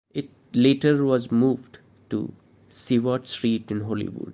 It later was moved to Seward Street in Hollywood.